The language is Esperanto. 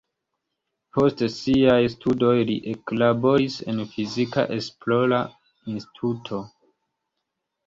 Post siaj studoj li eklaboris en fizika esplora instituto.